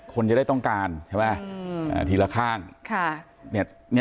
คนจะได้ต้องการใช่ไหมทีละข้าง